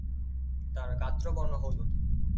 তার গাত্রবর্ণ হলুদ।